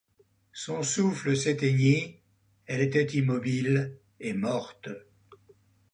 Son souffle s'éteignit, elle était immobile, et morte.